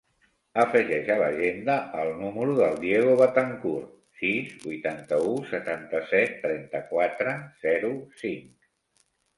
Afegeix a l'agenda el número del Diego Betancourt: sis, vuitanta-u, setanta-set, trenta-quatre, zero, cinc.